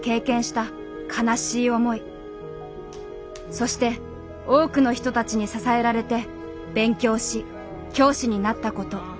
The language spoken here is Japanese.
そして多くの人たちに支えられて勉強し教師になったこと。